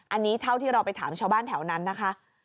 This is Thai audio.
อันนี้เท่าที่เราไปถามชาวบ้านแถวนั้นนะคะ